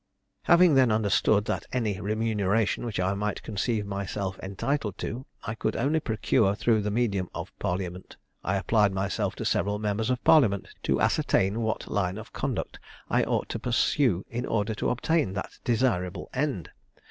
"Having then understood that any remuneration which I might conceive myself entitled to, I could only procure through the medium of parliament, I applied myself to several members of parliament, to ascertain what line of conduct I ought to pursue in order to obtain that desirable end.